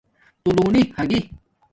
تُولنی ھاگی